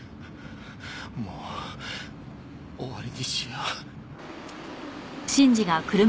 もう終わりにしよう。